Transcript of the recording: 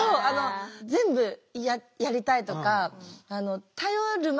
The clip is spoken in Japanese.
全部やりたいとかある時